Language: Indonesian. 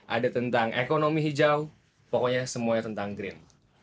ada tentang ekonomi hijau pokoknya semuanya tentang green